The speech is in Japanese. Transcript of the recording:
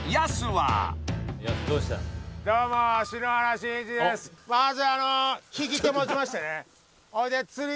はい。